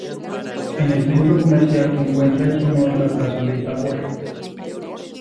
En el centro comercial se encuentra en su honor la plazoleta Borges.